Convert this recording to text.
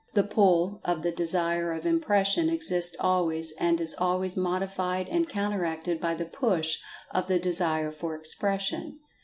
The "pull" of the Desire of Impression exists always, and is always modified and counteracted by the "push" of the Desire for Expression.